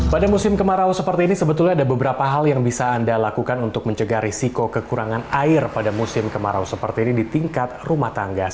pada musim kemarau seperti ini sebetulnya ada beberapa hal yang bisa anda lakukan untuk mencegah risiko kekurangan air pada musim kemarau seperti ini di tingkat rumah tangga